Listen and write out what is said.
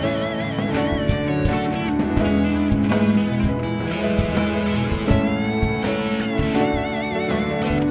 semuanya ada di sini